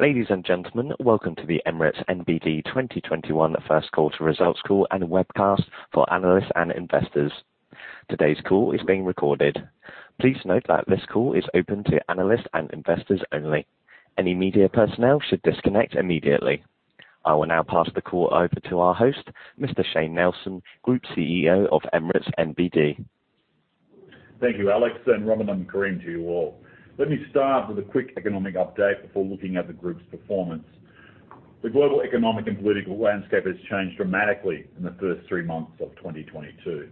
Ladies and gentlemen, welcome to the Emirates NBD 2021 first quarter results call and webcast for analysts and investors. Today's call is being recorded. Please note that this call is open to analysts and investors only. Any media personnel should disconnect immediately. I will now pass the call over to our host, Mr. Shayne Nelson, Group CEO of Emirates NBD. Thank you, Alex, and welcome to you all. Let me start with a quick economic update before looking at the group's performance. The global economic and political landscape has changed dramatically in the first three months of 2022.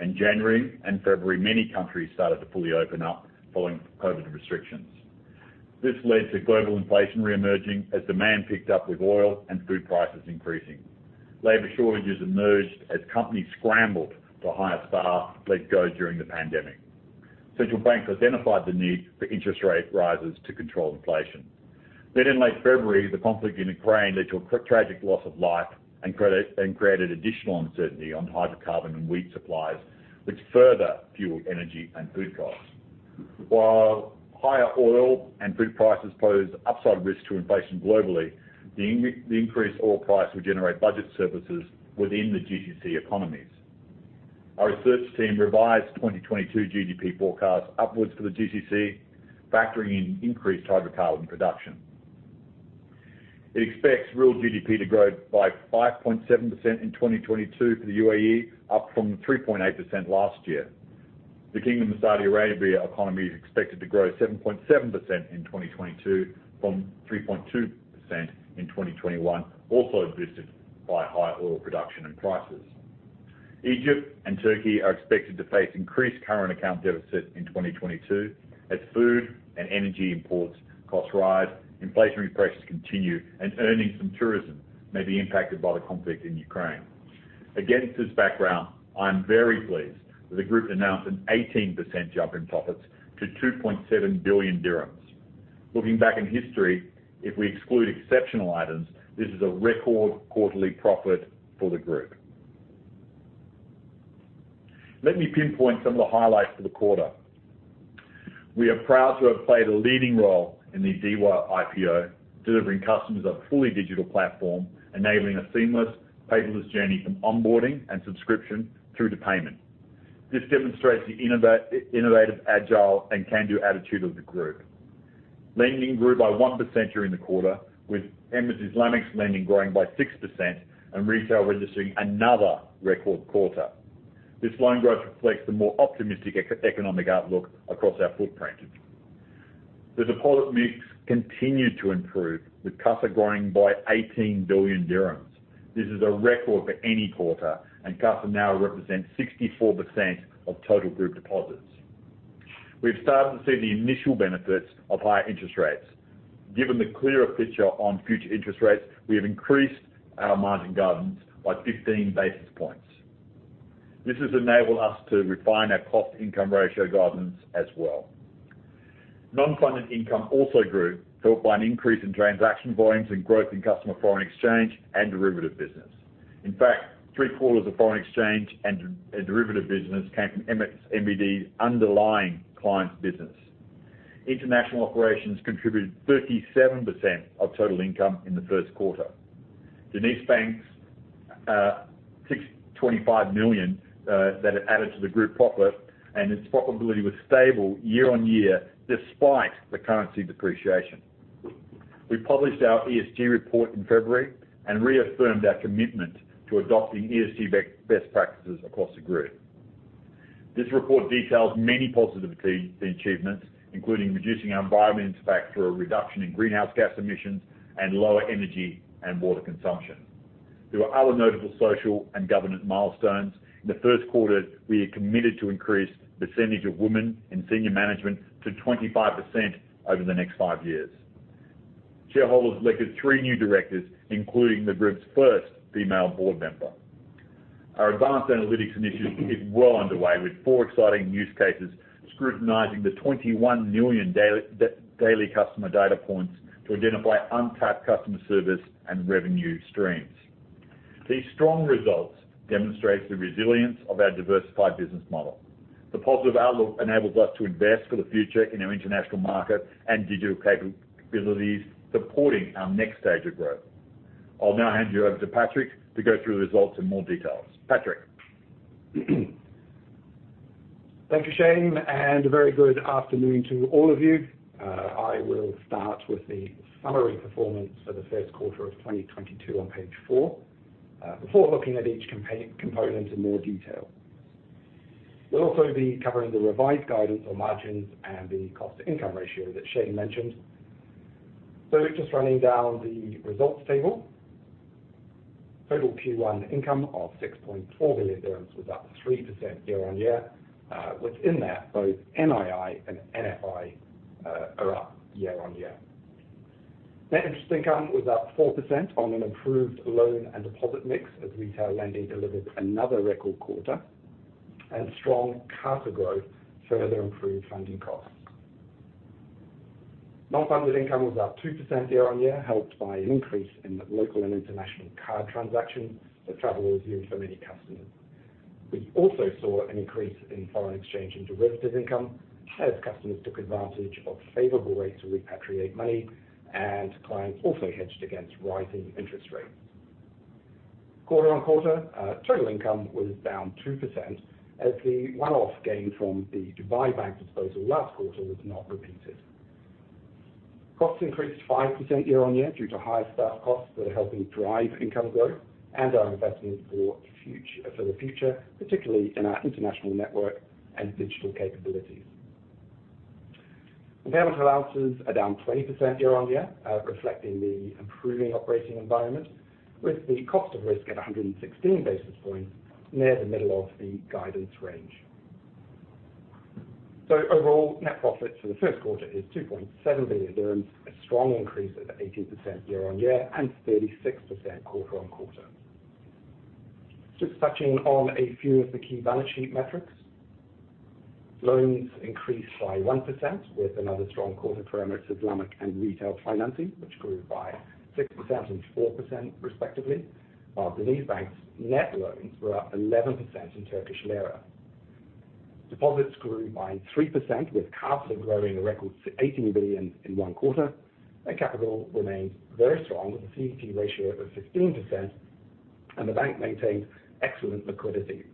In January and February, many countries started to fully open up following COVID restrictions. This led to global inflation re-emerging as demand picked up with oil and food prices increasing. Labor shortages emerged as companies scrambled to hire staff let go during the pandemic. Central banks identified the need for interest rate rises to control inflation. In late February, the conflict in Ukraine led to a tragic loss of life and created additional uncertainty on hydrocarbon and wheat supplies, which further fueled energy and food costs. While higher oil and food prices pose upside risk to inflation globally, the increased oil price will generate budget surpluses within the GCC economies. Our research team revised 2022 GDP forecast upwards for the GCC, factoring in increased hydrocarbon production. It expects real GDP to grow by 5.7% in 2022 for the UAE, up from 3.8% last year. The Kingdom of Saudi Arabia economy is expected to grow 7.7% in 2022 from 3.2% in 2021, also boosted by high oil production and prices. Egypt and Turkey are expected to face increased current account deficit in 2022, as food and energy imports costs rise, inflationary pressures continue, and earnings from tourism may be impacted by the conflict in Ukraine. Against this background, I am very pleased with the group to announce an 18% jump in profits to 2.7 billion dirhams. Looking back in history, if we exclude exceptional items, this is a record quarterly profit for the group. Let me pinpoint some of the highlights for the quarter. We are proud to have played a leading role in the DEWA IPO, delivering customers a fully digital platform, enabling a seamless, paperless journey from onboarding and subscription through to payment. This demonstrates the innovative, agile, and can-do attitude of the group. Lending grew by 1% during the quarter, with Emirates Islamic's lending growing by 6% and retail registering another record quarter. This loan growth reflects the more optimistic economic outlook across our footprint. The deposit mix continued to improve, with CASA growing by 18 billion dirhams. This is a record for any quarter, and CASA now represents 64% of total group deposits. We've started to see the initial benefits of higher interest rates. Given the clearer picture on future interest rates, we have increased our margin guidance by 15 basis points. This has enabled us to refine our cost-income ratio guidance as well. Non-funded income also grew, helped by an increase in transaction volumes and growth in customer foreign exchange and derivative business. In fact, three-quarters of foreign exchange and derivative business came from Emirates NBD's underlying clients business. International operations contributed 37% of total income in the first quarter. DenizBank added AED 65 million to the group profit and its profitability was stable year-on-year despite the currency depreciation. We published our ESG report in February and reaffirmed our commitment to adopting ESG best practices across the group. This report details many positive achievements, including reducing our environmental impact through a reduction in greenhouse gas emissions and lower energy and water consumption. There were other notable social and governance milestones. In the first quarter, we are committed to increase percentage of women in senior management to 25% over the next five years. Shareholders elected three new directors, including the group's first female board member. Our advanced analytics initiative is well underway with four exciting use cases scrutinizing the 21 million daily customer data points to identify untapped customer service and revenue streams. These strong results demonstrates the resilience of our diversified business model. The positive outlook enables us to invest for the future in our international market and digital capabilities, supporting our next stage of growth. I'll now hand you over to Patrick to go through the results in more details. Patrick? Thank you, Shayne, and a very good afternoon to all of you. I will start with the summary performance for the first quarter of 2022 on page four, before looking at each component in more detail. We'll also be covering the revised guidance on margins and the cost-to-income ratio that Shayne mentioned. Just running down the results table. Total Q1 income of 6.4 billion dirhams was up 3% year-on-year. Within that, both NII and NFI are up year-on-year. Net interest income was up 4% on an improved loan and deposit mix as retail lending delivered another record quarter. Strong CASA growth further improved funding costs. Non-funded income was up 2% year-on-year, helped by an increase in local and international card transactions as travel resumed for many customers. We also saw an increase in foreign exchange and derivatives income as customers took advantage of favorable rates to repatriate money, and clients also hedged against rising interest rates. Quarter-on-quarter, total income was down 2% as the one-off gain from the Dubai Bank disposal last quarter was not repeated. Costs increased 5% year-on-year due to higher staff costs that are helping drive income growth and our investment for the future, particularly in our international network and digital capabilities. Impairment allowances are down 20% year-on-year, reflecting the improving operating environment with the cost of risk at 116 basis points near the middle of the guidance range. Overall, net profit for the first quarter is 2.7 billion dirhams, a strong increase of 18% year-on-year and 36% quarter-on-quarter. Just touching on a few of the key balance sheet metrics. Loans increased by 1% with another strong quarter for Emirates Islamic and Retail Financing, which grew by 6% and 4% respectively, while DenizBank's net loans were up 11% in Turkish lira. Deposits grew by 3%, with CASA growing a record 18 billion in one quarter, and capital remains very strong with a CET1 ratio of 16%, and the bank maintained excellent liquidity,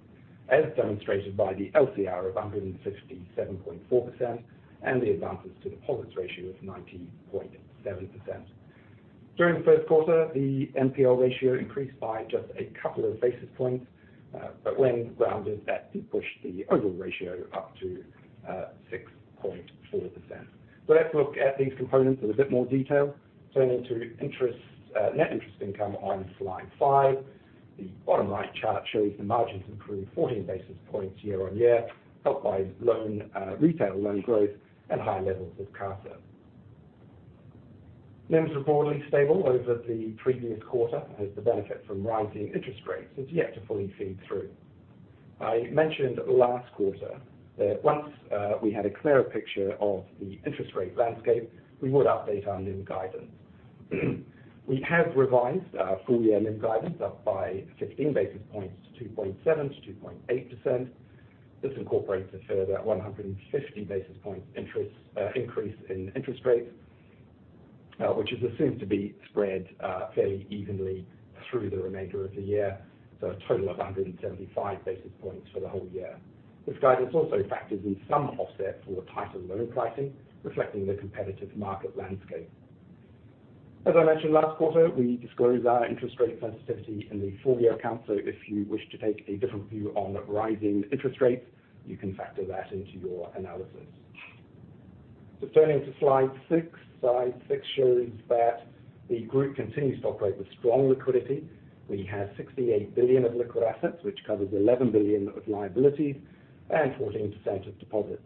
as demonstrated by the LCR of 167.4% and the advances to deposits ratio of 90.7%. During the first quarter, the NPL ratio increased by just a couple of basis points, but when rounded, that did push the overall ratio up to 6.4%. Let's look at these components in a bit more detail. Turning to net interest income on slide five. The bottom right chart shows the margins improved 14 basis points year-on-year, helped by loan, retail loan growth and high levels of CASA. NIMs were broadly stable over the previous quarter as the benefit from rising interest rates is yet to fully feed through. I mentioned last quarter that once we had a clearer picture of the interest rate landscape, we would update our NIM guidance. We have revised our full-year NIM guidance up by 15 basis points to 2.7%-2.8%. This incorporates a further 150 basis points interest, increase in interest rates, which is assumed to be spread fairly evenly through the remainder of the year, so a total of 175 basis points for the whole year. This guidance also factors in some offset for tighter loan pricing, reflecting the competitive market landscape. As I mentioned last quarter, we disclosed our interest rate sensitivity in the full-year accounts, so if you wish to take a different view on rising interest rates, you can factor that into your analysis. Turning to slide six. Slide six shows that the group continues to operate with strong liquidity. We have 68 billion of liquid assets, which covers 11 billion of liabilities and 14% of deposits.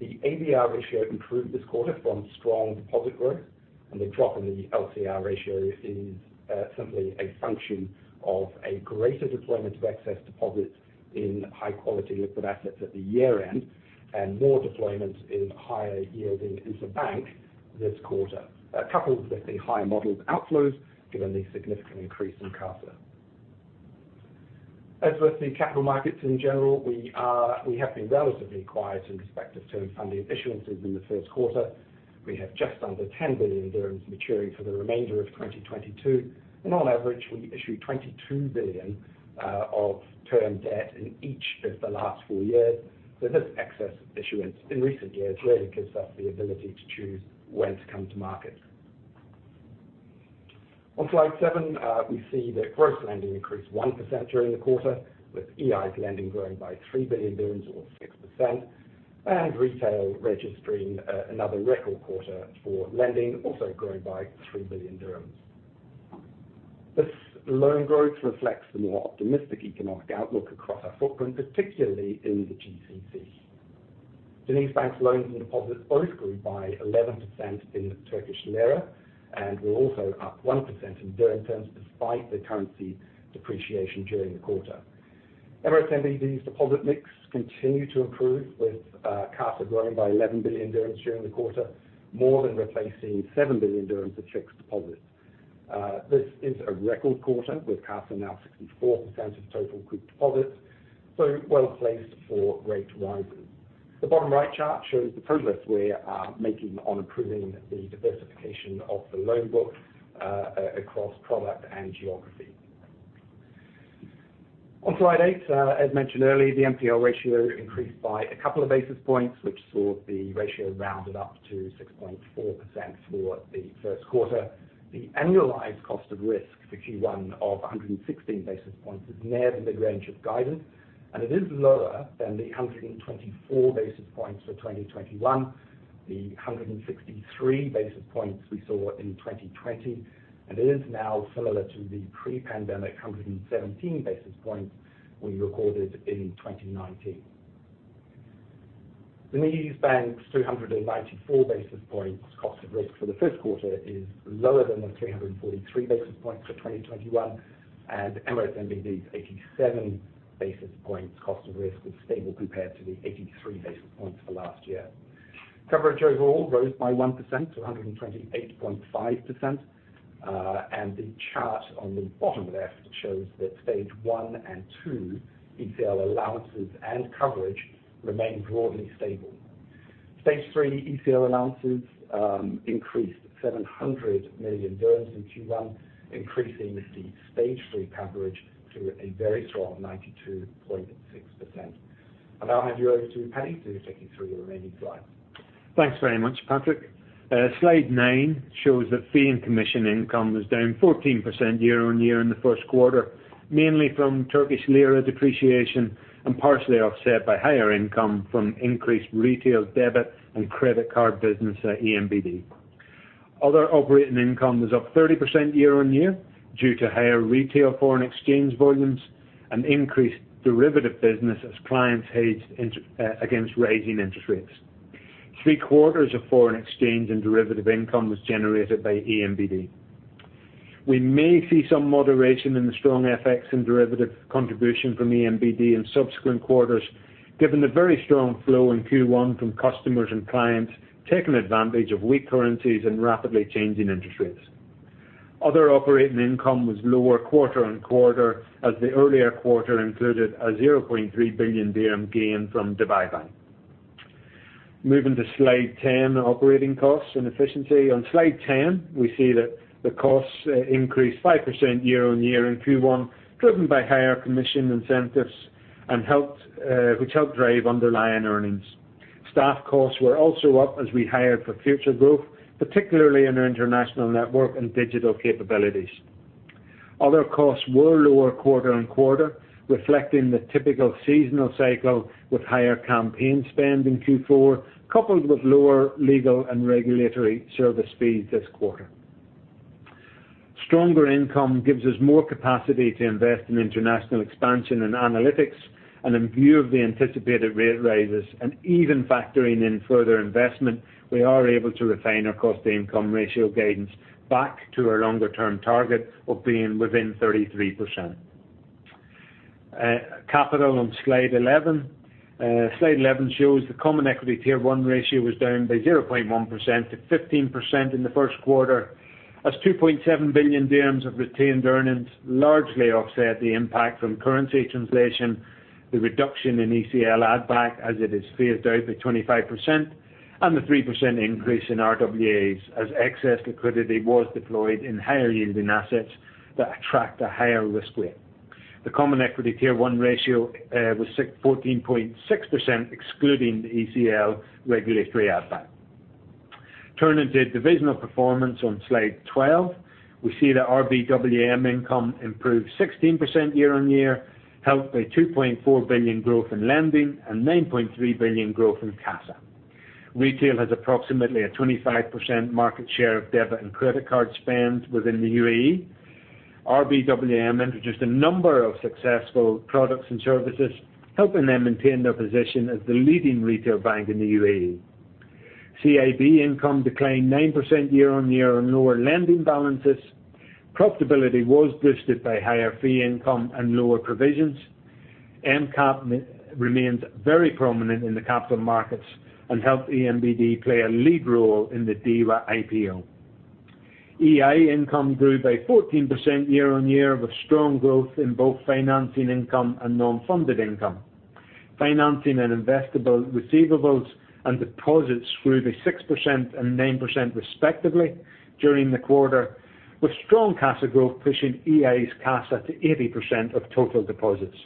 The ADR ratio improved this quarter from strong deposit growth, and the drop in the LCR ratio is simply a function of a greater deployment of excess deposits in high-quality liquid assets at the year-end, and more deployment in higher yielding interbank this quarter. Coupled with the higher modeled outflows, given the significant increase in CASA. As with the capital markets in general, we have been relatively quiet in respect of term funding issuances in the first quarter. We have just under 10 billion dirhams maturing for the remainder of 2022, and on average, we issue 22 billion of term debt in each of the last four years. This excess issuance in recent years really gives us the ability to choose when to come to market. On slide seven, we see that gross lending increased 1% during the quarter, with EIB lending growing by 3 billion dirhams or 6%, and retail registering another record quarter for lending, also growing by 3 billion dirhams. This loan growth reflects the more optimistic economic outlook across our footprint, particularly in the GCC. DenizBank's loans and deposits both grew by 11% in Turkish lira and were also up 1% in dirham terms, despite the currency depreciation during the quarter. Emirates NBD's deposit mix continued to improve, with CASA growing by 11 billion dirhams during the quarter, more than replacing 7 billion dirhams of check deposits. This is a record quarter with CASA now 64% of total group deposits, so well-placed for rate rises. The bottom right chart shows the progress we are making on improving the diversification of the loan book across product and geography. On slide eight, as mentioned earlier, the NPL ratio increased by a couple of basis points, which saw the ratio rounded up to 6.4% for the first quarter. The annualized cost of risk, 61 basis points of 116 basis points, is near the mid-range of guidance, and it is lower than the 124 basis points for 2021, the 163 basis points we saw in 2020, and it is now similar to the pre-pandemic 117 basis points we recorded in 2019. DenizBank's 294 basis points cost of risk for the first quarter is lower than the 343 basis points for 2021, and Emirates NBD's 87 basis points cost of risk was stable compared to the 83 basis points for last year. Coverage overall rose by 1% to 128.5%. The chart on the bottom left shows that Stage 1 and two ECL allowances and coverage remain broadly stable. Stage 3 ECL allowances increased 700 million dirhams in Q1, increasing the Stage 3 coverage to a very strong 92.6%. Now I hand you over to Paddy to take you through the remaining slides. Thanks very much, Patrick. Slide nine shows that fee and commission income was down 14% year-on-year in the first quarter, mainly from Turkish lira depreciation and partially offset by higher income from increased retail debit and credit card business at ENBD. Other operating income was up 30% year-on-year due to higher retail foreign exchange volumes and increased derivative business as clients hedged against raising interest rates. Three-quarters of foreign exchange and derivative income was generated by ENBD. We may see some moderation in the strong FX and derivative contribution from ENBD in subsequent quarters, given the very strong flow in Q1 from customers and clients, taking advantage of weak currencies and rapidly changing interest rates. Other operating income was lower quarter-on-quarter as the earlier quarter included a 0.3 billion dirham gain from Dubai Bank. Moving to slide 10, operating costs and efficiency. On slide 10, we see that the costs increased 5% year-on-year in Q1, driven by higher commission incentives, which helped drive underlying earnings. Staff costs were also up as we hired for future growth, particularly in our international network and digital capabilities. Other costs were lower quarter-on-quarter, reflecting the typical seasonal cycle with higher campaign spend in Q4, coupled with lower legal and regulatory service fees this quarter. Stronger income gives us more capacity to invest in international expansion and analytics. In view of the anticipated rate raises and even factoring in further investment, we are able to retain our cost-income ratio guidance back to our longer-term target of being within 33%. Capital on slide 11. Slide 11 shows the Common Equity Tier 1 ratio was down by 0.1% to 15% in the first quarter, as 2.7 billion dirhams of retained earnings largely offset the impact from currency translation, the reduction in ECL add back as it is phased out by 25%, and the 3% increase in RWAs as excess liquidity was deployed in higher yielding assets that attract a higher risk weight. The Common Equity Tier 1 ratio was 14.6% excluding the ECL regulatory add back. Turning to divisional performance on slide 12, we see that RBWM income improved 16% year-on-year, helped by 2.4 billion growth in lending and 9.3 billion growth in CASA. Retail has approximately a 25% market share of debit and credit card spend within the UAE. RBWM introduced a number of successful products and services, helping them maintain their position as the leading retail bank in the UAE. CIB income declined 9% year-on-year on lower lending balances. Profitability was boosted by higher fee income and lower provisions. EmCap remains very prominent in the capital markets and helped ENBD play a lead role in the DEWA IPO. EI income grew by 14% year-on-year with strong growth in both financing income and non-funded income. Financing and investable receivables and deposits grew by 6% and 9% respectively during the quarter, with strong CASA growth pushing EI's CASA to 80% of total deposits.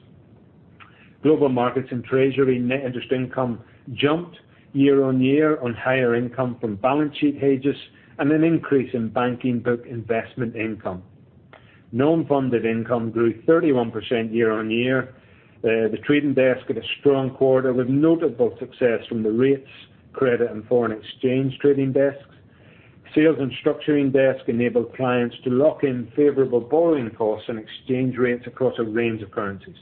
Global markets and treasury net interest income jumped year-on-year on higher income from balance sheet hedges and an increase in banking book investment income. Non-funded income grew 31% year-on-year. The trading desk had a strong quarter with notable success from the rates, credit and foreign exchange trading desks. Sales and structuring desk enabled clients to lock in favorable borrowing costs and exchange rates across a range of currencies.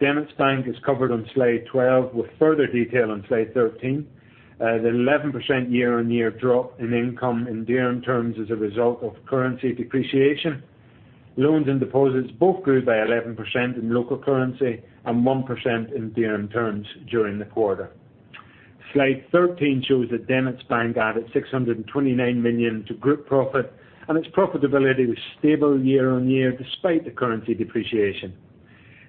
DenizBank is covered on slide 12 with further detail on slide 13. The 11% year-on-year drop in income in dirham terms is a result of currency depreciation. Loans and deposits both grew by 11% in local currency and 1% in dirham terms during the quarter. Slide 13 shows that DenizBank added 629 million to group profit, and its profitability was stable year-on-year despite the currency depreciation.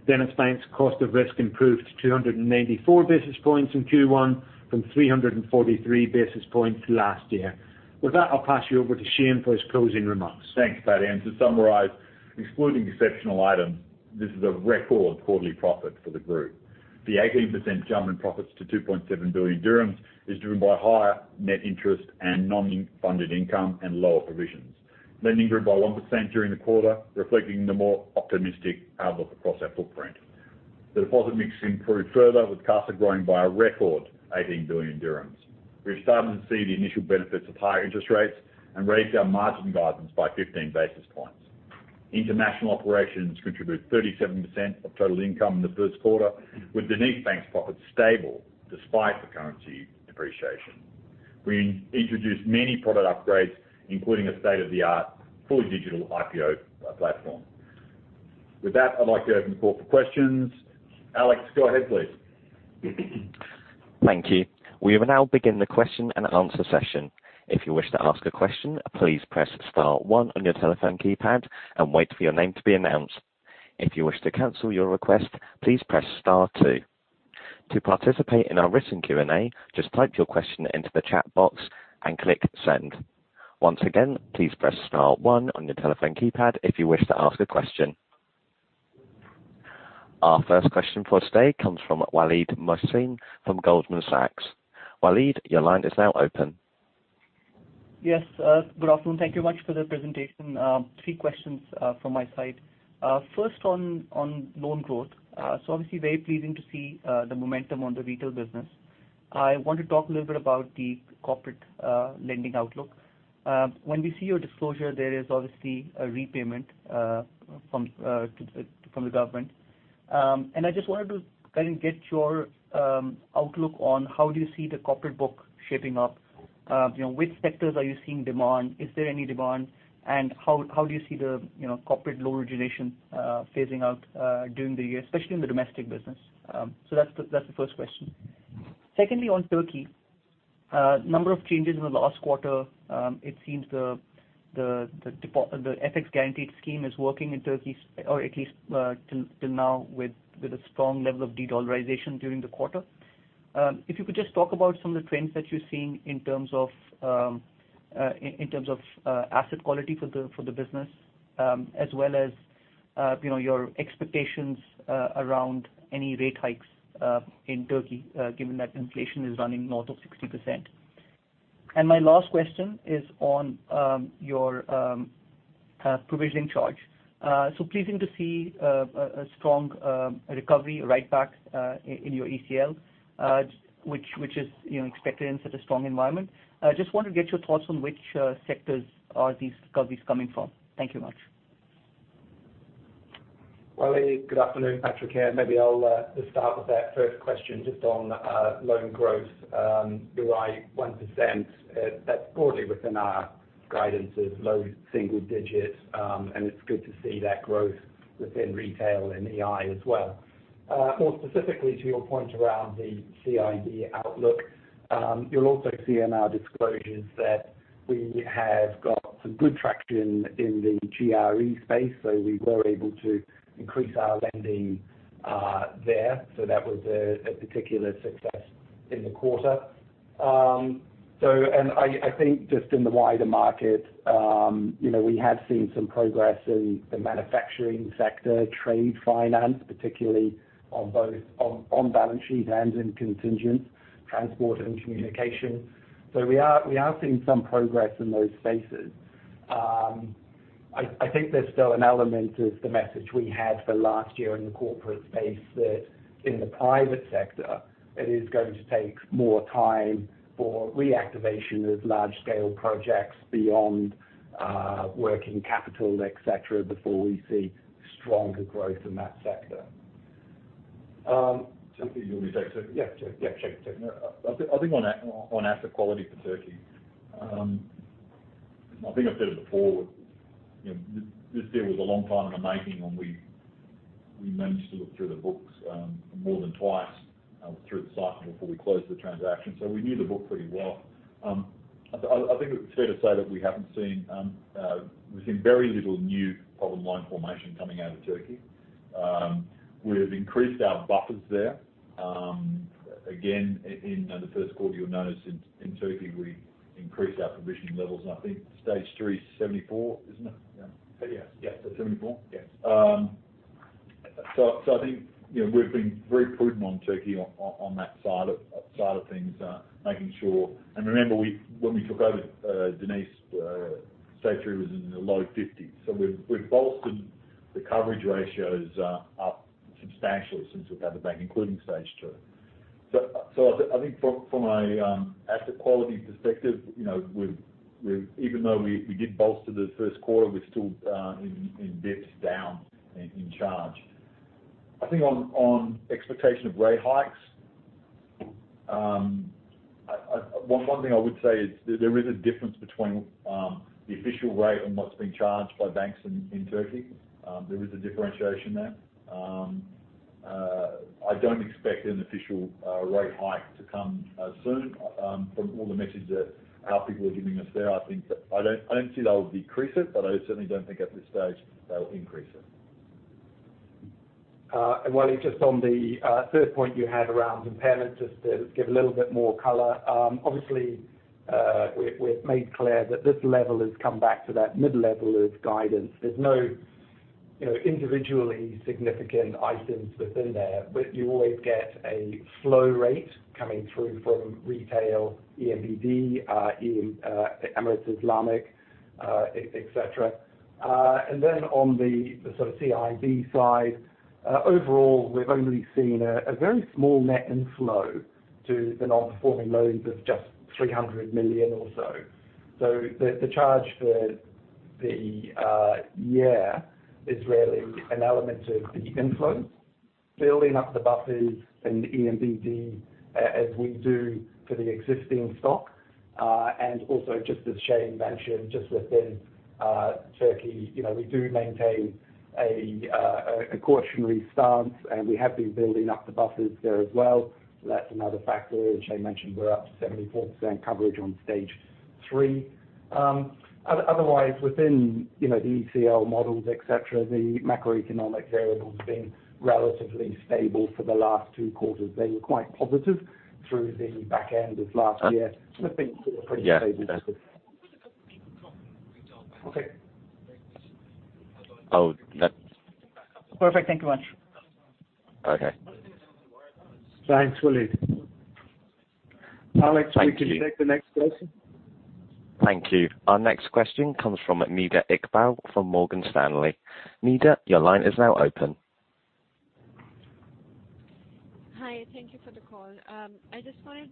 DenizBank's cost of risk improved to 294 basis points in Q1 from 343 basis points last year. With that, I'll pass you over to Shayne for his closing remarks. Thanks, Paddy. To summarize, excluding exceptional items, this is a record quarterly profit for the group. The 18% jump in profits to 2.7 billion dirhams is driven by higher net interest and non-funded income and lower provisions. Lending grew by 1% during the quarter, reflecting the more optimistic outlook across our footprint. The deposit mix improved further with CASA growing by a record 18 billion dirhams. We're starting to see the initial benefits of higher interest rates and raised our margin guidance by 15 basis points. International operations contribute 37% of total income in the first quarter, with DenizBank's profits stable despite the currency depreciation. We introduced many product upgrades, including a state-of-the-art, fully digital IPO platform. With that, I'd like to open the call for questions. Alex, go ahead please. Thank you. We will now begin the question-and-answer session. If you wish to ask a question please press star one on your telephone keypad and wait for your name to be announced. If you wish to cancel your request please press star two. To participate in our recent Q&A describe your question into the chatbox and click Send. Once again please press star one on your telephone keypad if you wish to ask a question. Our first question for today comes from Waleed Mohsin from Goldman Sachs. Waleed, your line is now open. Yes. Good afternoon. Thank you much for the presentation. Three questions from my side. First on loan growth. So obviously very pleasing to see the momentum on the retail business. I want to talk a little bit about the corporate lending outlook. When we see your disclosure, there is obviously a repayment from the government. And I just wanted to kind of get your outlook on how do you see the corporate book shaping up? You know, which sectors are you seeing demand? Is there any demand? And how do you see the, you know, corporate loan origination phasing out during the year, especially in the domestic business? So that's the first question. Secondly, on Turkey. Number of changes in the last quarter. It seems the FX guaranteed scheme is working in Turkey, or at least, till now, with a strong level of de-dollarization during the quarter. If you could just talk about some of the trends that you're seeing in terms of asset quality for the business, as well as, you know, your expectations around any rate hikes in Turkey, given that inflation is running north of 60%. My last question is on your provisioning charge. So pleasing to see a strong recovery, write back, in your ECL, which is, you know, expected in such a strong environment. I just want to get your thoughts on which sectors are these recoveries coming from. Thank you much. Waleed, good afternoon. Patrick here. Maybe I'll just start with that first question just on loan growth. You're right, 1%, that's broadly within our guidance of low single digits. It's good to see that growth within retail and EIB as well. More specifically to your point around the CIB outlook, you'll also see in our disclosures that we have got some good traction in the GRE space, so we were able to increase our lending there. That was a particular success in the quarter. I think just in the wider market, you know, we have seen some progress in the manufacturing sector, trade finance, particularly on both balance sheet and in contingent transport and communication. We are seeing some progress in those spaces. I think there's still an element of the message we had for last year in the corporate space that in the private sector, it is going to take more time for reactivation of large scale projects beyond, working capital, et cetera, before we see stronger growth in that sector. Do you want me to take Turkey? Yeah. Yeah. Sure. Take it. I think on asset quality for Turkey, I think I've said it before. You know, this deal was a long time in the making, and we managed to look through the books more than twice through the cycle before we closed the transaction. So we knew the book pretty well. I think it's fair to say that we've seen very little new problem loan formation coming out of Turkey. We have increased our buffers there. Again, in the first quarter, you'll notice in Turkey, we increased our provisioning levels. I think Stage 3 is 74, isn't it? Yeah. Yes. Yes. 74. Yes. I think, you know, we've been very prudent on Turkey on that side of things, making sure. Remember, when we took over Deniz, Stage 3 was in the low 50s. We've bolstered the coverage ratios up substantially since we've had the bank, including Stage 2. I think from an asset quality perspective, you know, even though we did bolster the first quarter, we're still in better shape. I think on expectation of rate hikes, I. One thing I would say is there is a difference between the official rate and what's being charged by banks in Turkey. There is a differentiation there. I don't expect an official rate hike to come soon. From all the messages that our people are giving us there, I think that I don't see they'll decrease it, but I certainly don't think at this stage they'll increase it. Waleed, just on the third point you had around impairment, just to give a little bit more color. Obviously, we've made clear that this level has come back to that mid-level of guidance. There's no, you know, individually significant items within there, but you always get a flow rate coming through from retail, ENBD, and Emirates Islamic, et cetera. On the sort of CIB side, overall, we've only seen a very small net inflow to the non-performing loans of just 300 million or so. The charge for the year is really an element of the inflow building up the buffers in ENBD, as we do for the existing stock. Also just as Shayne mentioned, just within Turkey, you know, we do maintain a cautionary stance, and we have been building up the buffers there as well. That's another factor. As Shayne mentioned, we're up to 74% coverage on Stage 3. Otherwise, within the ECL models, et cetera, the macroeconomic variables have been relatively stable for the last two quarters. They were quite positive through the back end of last year. Things were pretty stable. Yeah. Okay. Oh, that. Perfect. Thank you much. Okay. Thanks, Waleed. Alex. Thank you. Will you take the next question? Thank you. Our next question comes from Nida Iqbal from Morgan Stanley. Nida, your line is now open. Hi, thank you for the call. I just wanted,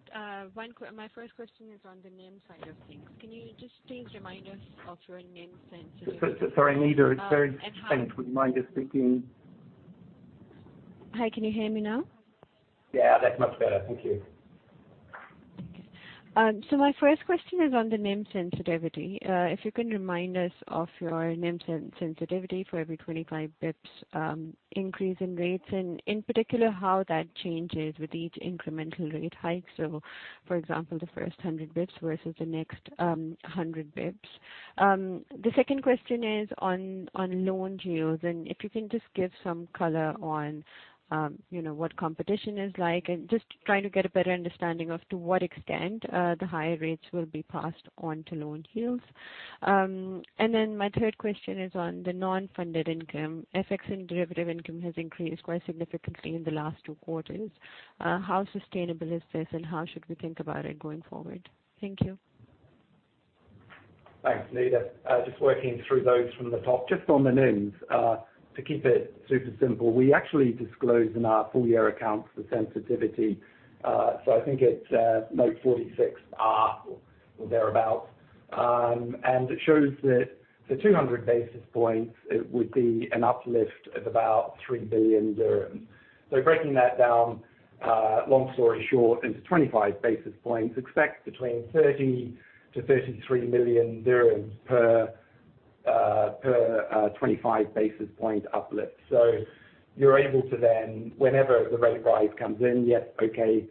my first question is on the NIM side of things. Can you just please remind us of your NIM sensitivity? Sorry, Nida. It's very faint. Uh, and how- Would you mind just speaking. Hi, can you hear me now? Yeah. That's much better. Thank you. Okay. My first question is on the NIM sensitivity. If you can remind us of your NIM sensitivity for every 25 bps increase in rates, and in particular, how that changes with each incremental rate hike. For example, the first 100 bps versus the next 100 bps. The second question is on loan yields, and if you can just give some color on, you know, what competition is like. Just trying to get a better understanding of to what extent the higher rates will be passed on to loan yields. My third question is on the non-fund income. FX and derivative income has increased quite significantly in the last 2 quarters. How sustainable is this, and how should we think about it going forward? Thank you. Thanks, Nida. Just working through those from the top. Just on the NIMs, to keep it super simple, we actually disclose in our full year accounts the sensitivity. I think it's note 46R or thereabout. It shows that for 200 basis points, it would be an uplift of about 3 billion dirham. Breaking that down, long story short, into 25 basis points, expect between 30 million-33 million dirhams per 25 basis point uplift. You're able to then whenever the rate rise comes in, yes, okay,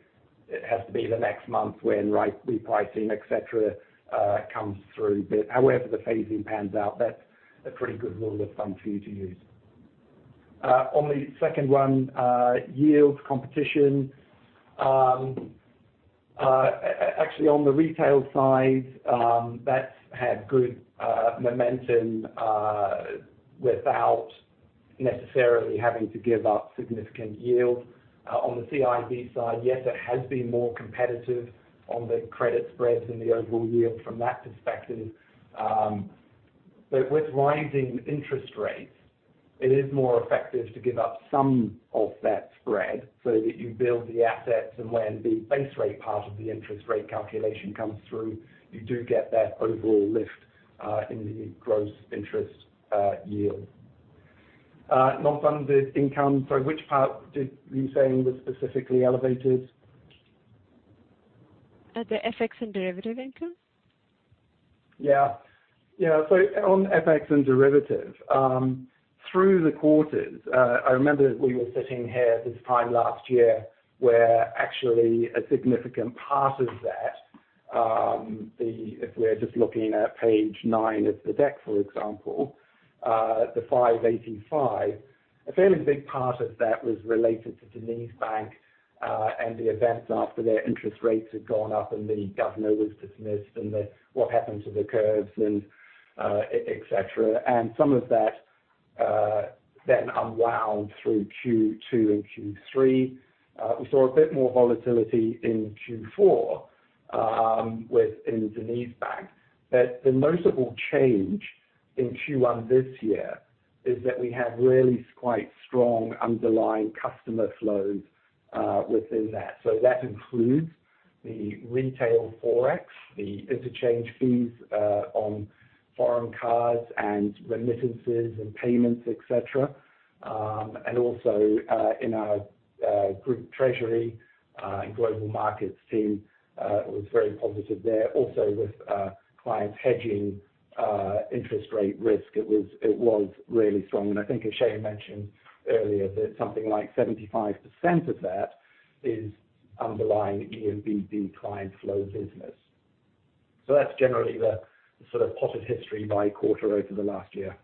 it has to be the next month when rate repricing, et cetera, comes through. However the phasing pans out, that's a pretty good rule of thumb for you to use. On the second one, yields competition. Actually on the retail side, that's had good momentum without necessarily having to give up significant yield. On the CIB side, yes, it has been more competitive on the credit spreads and the overall yield from that perspective. With rising interest rates, it is more effective to give up some of that spread so that you build the assets. When the base rate part of the interest rate calculation comes through, you do get that overall lift in the gross interest yield. Non-funded income. Sorry, which part did you say was specifically elevated? The FX and derivative income. Yeah. On FX and derivatives through the quarters, I remember we were sitting here this time last year, where actually a significant part of that, the If we're just looking at page nine of the deck, for example, the 585 million, a fairly big part of that was related to DenizBank, and the events after their interest rates had gone up and the governor was dismissed, and what happened to the curves and et cetera. Some of that then unwound through Q2 and Q3. We saw a bit more volatility in Q4 within DenizBank. The noticeable change in Q1 this year is that we have really quite strong underlying customer flows within that. That includes the retail Forex, the interchange fees on foreign cards and remittances and payments, et cetera. In our group treasury and global markets team was very positive there. With clients hedging interest rate risk, it was really strong. I think as Shayne mentioned earlier, that something like 75% of that is underlying ENBD client flow business. That's generally the sort of potted history by quarter over the last year.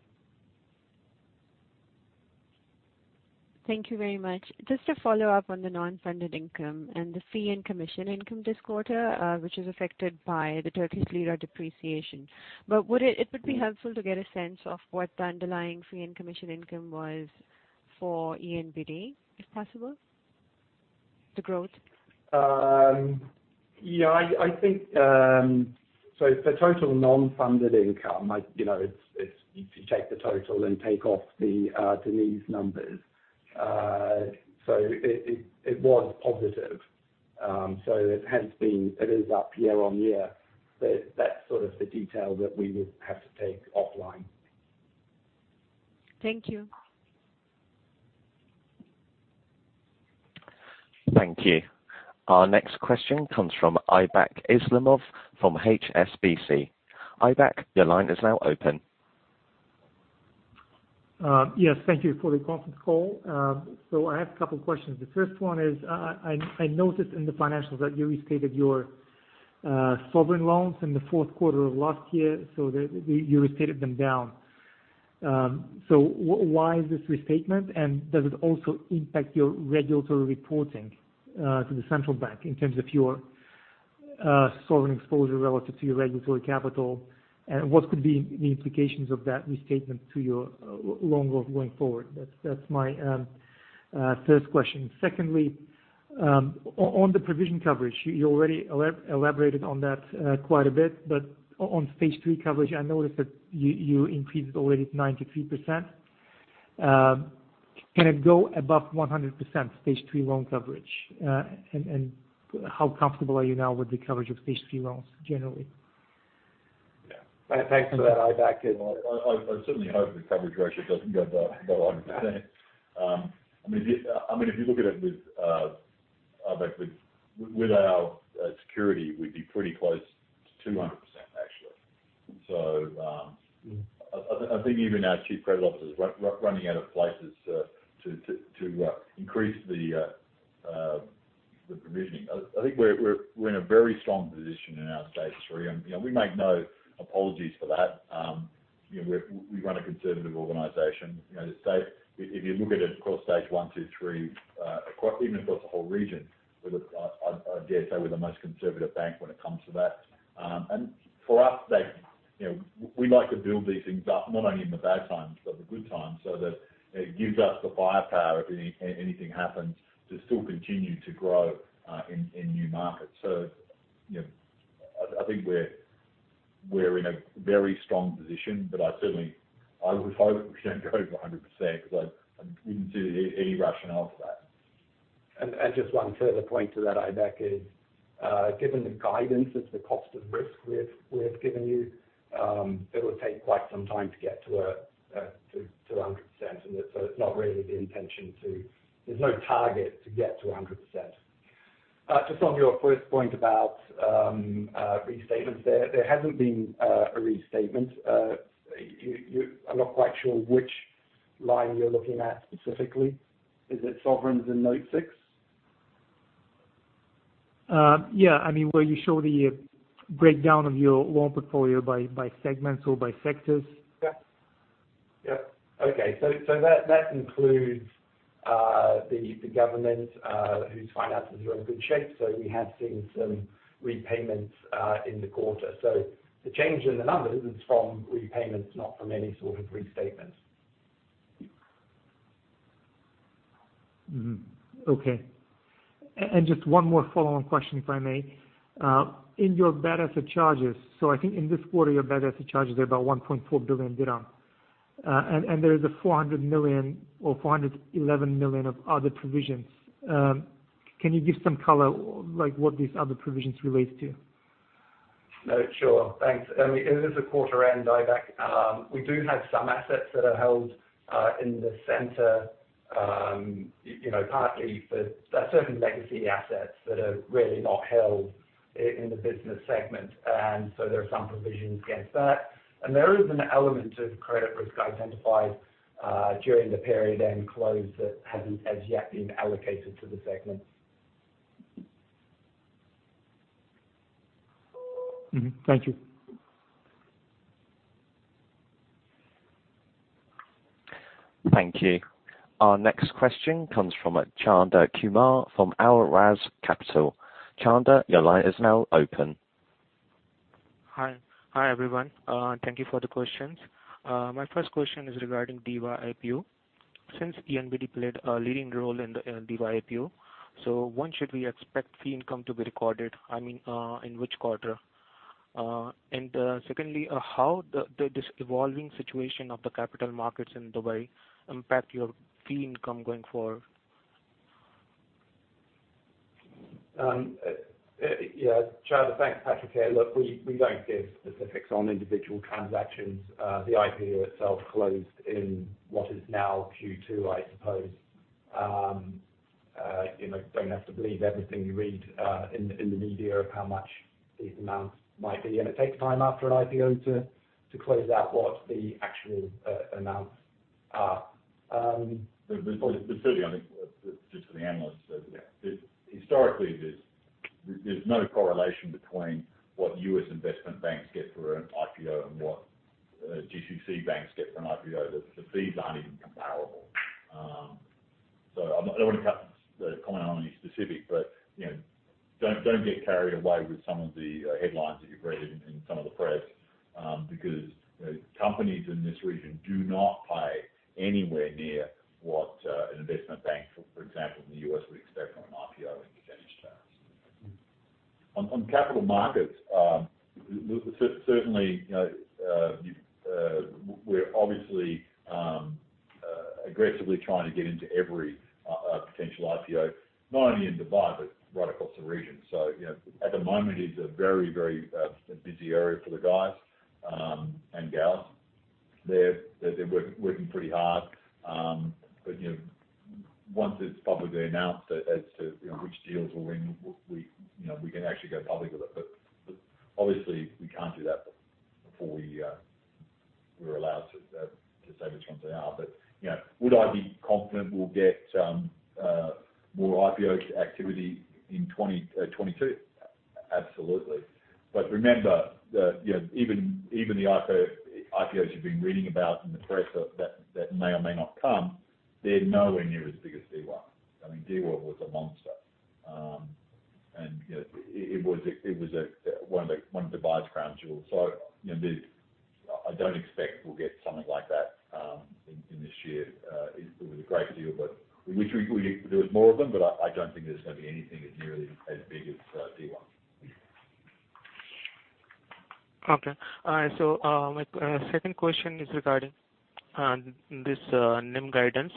Thank you very much. Just to follow up on the non-funded income and the fee and commission income this quarter, which is affected by the Turkish lira depreciation. It would be helpful to get a sense of what the underlying fee and commission income was for ENBD, if possible, the growth. Yeah, I think the total non-funded income. You know, it's if you take the total and take off the Deniz numbers. It was positive, it has been, it is up year-on-year. But that's sort of the detail that we would have to take offline. Thank you. Thank you. Our next question comes from Aybek Islamov from HSBC. Aybek, your line is now open. Yes, thank you for the conference call. I have a couple questions. The first one is, I noticed in the financials that you restated your sovereign loans in the fourth quarter of last year, you restated them down. Why is this restatement, and does it also impact your regulatory reporting to the central bank in terms of your sovereign exposure relative to your regulatory capital? And what could be the implications of that restatement to your loan growth going forward? That's my first question. Secondly, on the provision coverage, you already elaborated on that quite a bit, but on Stage 3 coverage, I noticed that you increased it already to 93%. Can it go above 100% Stage 3 loan coverage? How comfortable are you now with the coverage of Stage 3 loans generally? Yeah. Thanks for that, Aybek. I certainly hope the coverage ratio doesn't go above 100%. I mean, if you look at it with Aybek, with our security, we'd be pretty close to 200%, actually. I think even our Chief Credit Officer is running out of places to increase the provisioning. I think we're in a very strong position in our Stage 3. You know, we make no apologies for that. You know, we run a conservative organization. You know, to say if you look at it across Stage 1, 2, 3, even across the whole region, I dare say we're the most conservative bank when it comes to that. For us, that, you know, we like to build these things up not only in the bad times, but the good times, so that it gives us the firepower if anything happens to still continue to grow in new markets. You know, I think we're in a very strong position, but I certainly would hope that we don't go over 100% because I wouldn't see any rationale for that. Just one further point to that, Aybek, is given the guidance on the Cost of Risk we have given you, it would take quite some time to get to 100%. It's not really the intention. There's no target to get to 100%. I'm not quite sure which line you're looking at specifically. Is it sovereigns in Note 6? Yeah. I mean, where you show the breakdown of your loan portfolio by segments or by sectors. Yeah. Yep. Okay. That includes the government whose finances are in good shape. We have seen some repayments in the quarter. The change in the numbers is from repayments, not from any sort of restatement. Just one more follow-up question, if I may. In your bad asset charges, I think in this quarter, your bad asset charges are about 1.4 billion dirham. There is 400 million or 411 million of other provisions. Can you give some color, like what these other provisions relates to? No, sure. Thanks. I mean, it is a quarter end, Aybek. We do have some assets that are held in the center, you know, partly for certain legacy assets that are really not held in the business segment. There are some provisions against that. There is an element of credit risk identified during the period end close that hasn't as yet been allocated to the segments. Mm-hmm. Thank you. Thank you. Our next question comes from Chandan Kumar from Al Ramz Capital. Chanda, your line is now open. Hi. Hi, everyone. Thank you for the questions. My first question is regarding DEWA IPO. Since ENBD played a leading role in the DEWA IPO, when should we expect fee income to be recorded? I mean, in which quarter? Secondly, how this evolving situation of the capital markets in Dubai impact your fee income going forward? Chanda, thanks for that. Look, we don't give specifics on individual transactions. The IPO itself closed in what is now Q2, I suppose. You know, don't have to believe everything you read in the media of how much these amounts might be. It takes time after an IPO to close out what the actual amounts are. Specifically, I think just for the analysts, historically, there's no correlation between what U.S. investment banks get for an IPO and what GCC banks get from IPO. The fees aren't even comparable. So I don't wanna comment on any specific, but you know, don't get carried away with some of the headlines that you've read in some of the press, because you know, companies in this region do not pay anywhere near what an investment bank, for example, in the U.S. would expect from an IPO in cash terms. On capital markets, we certainly, you know, we're obviously aggressively trying to get into every potential IPO, not only in Dubai but right across the region. You know, at the moment, it's a very busy area for the guys and gals. They're working pretty hard. You know, once it's publicly announced as to you know, which deals will win, we you know, we can actually go public with it. Obviously we can't do that before we're allowed to say which ones they are. You know, would I be confident we'll get more IPO activity in 2022? Absolutely. Remember that you know, even the IPOs you've been reading about in the press that may or may not come, they're nowhere near as big as DEWA. I mean, DEWA was a monster. You know, it was a one of Dubai's crown jewels. I don't expect we'll get something like that in this year. It was a great deal, but we wish there was more of them, but I don't think there's gonna be anything nearly as big as DEWA. Okay. My second question is regarding this NIM guidance.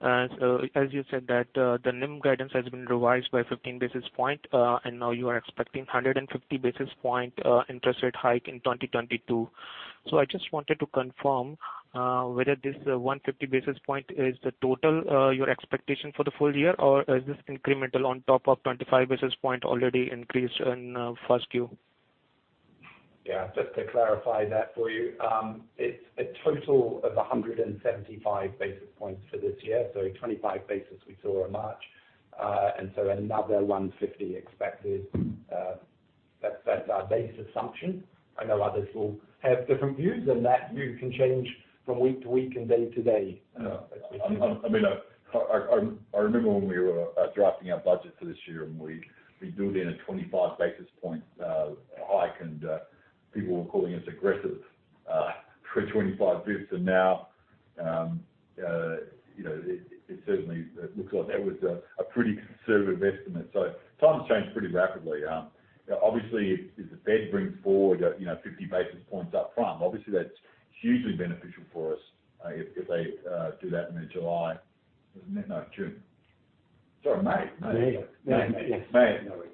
As you said that, the NIM guidance has been revised by 15 basis points, and now you are expecting 150 basis points interest rate hike in 2022. I just wanted to confirm whether this 150 basis points is the total your expectation for the full year, or is this incremental on top of 25 basis points already increased in first Q? Yeah. Just to clarify that for you. It's a total of 175 basis points for this year. 25 basis we saw in March. Another 150 expected. That's our base assumption. I know others will have different views, and that view can change from week to week and day to day. I mean, I remember when we were drafting our budget for this year, and we built in a 25 basis point hike, and people were calling us aggressive for 25 bps. Now, you know, it certainly looks like that was a pretty conservative estimate. Times change pretty rapidly. Obviously if the Fed brings forward a 50 basis points up front, obviously that's hugely beneficial for us, if they do that in July. Is it mid? No, June. Sorry, May. May. May. Yes.